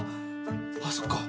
あっそっか。